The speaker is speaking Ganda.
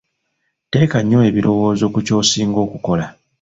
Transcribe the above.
Teeka nnyo ebirowoozo ku ky'osinga okukola.